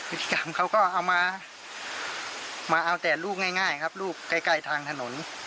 พฤติกรรมเขาก็เอามาเอาแต่ลูกง่ายครับลูกใกล้ทางถนน